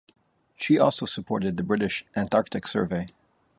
She also supported the British Antarctic Survey.